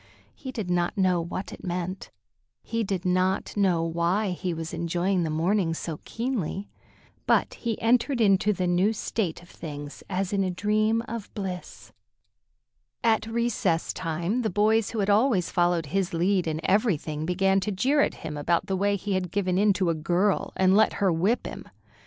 He did not know what it meant; he did not know why he was enjoying the morning so keenly; but he entered into the new state of things as in a dream of bliss. At recess time the boys who had always followed his lead in everything began to jeer at him about the way he had given in to a girl and let her whip him.